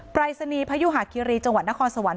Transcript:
ปรายศนีย์พยุหาคิรีจังหวัดนครสวรรค